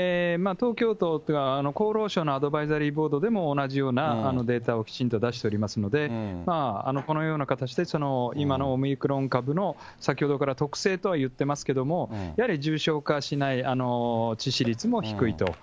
東京都のアドバイザリーボードも同じようなデータをきちんと出しておりますので、このような形で、今のオミクロン株の先ほどから特性とは言ってますけれども、やはり重症化しない、致死率も低いと。